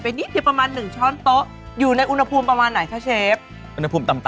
เป็นรากผักชีครับ